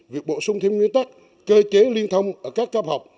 việc bổ sung thêm nguyên tắc cơ chế liên thông ở các cấp học